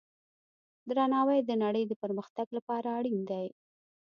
درناوی د نړۍ د پرمختګ لپاره اړین دی.